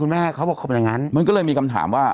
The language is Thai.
มันก็เลยมีคำถามว่า